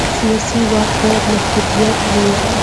سیاسي واک باید محدود وي